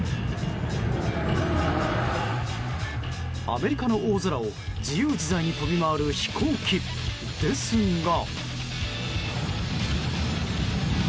アメリカの大空を自由自在に飛び回る飛行機、ですが。